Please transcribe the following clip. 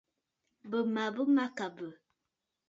Bɨ maʼa manɨkàŋə̀.